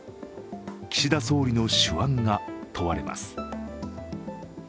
岸田総理の手腕が問われます。